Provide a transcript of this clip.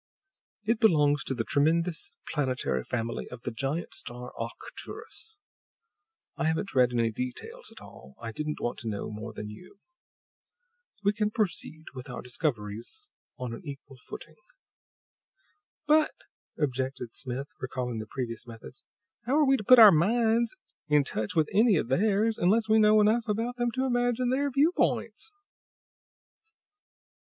It belongs to the tremendous planetary family of the giant star Arcturus. I haven't read any details at all; I didn't want to know more than you. We can proceed with our discoveries on an equal footing." "But," objected Smith, recalling the previous methods, "how are we to put our minds in touch with any of theirs, unless we know enough about them to imagine their viewpoints?"